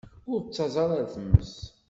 Ur ttaẓ ara ar tmes.